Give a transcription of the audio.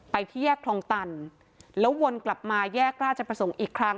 ที่แยกคลองตันแล้ววนกลับมาแยกราชประสงค์อีกครั้ง